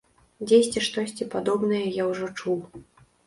Дзесьці штосьці падобнае я ўжо чуў.